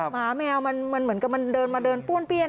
หมาแมวมันเหมือนกับมันเดินมาเดินป้วนเปี้ยน